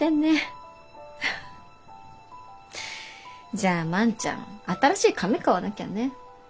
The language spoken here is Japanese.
じゃあ万ちゃん新しい紙買わなきゃね。